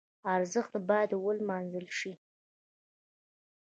ارزښت باید ولمانځل شي.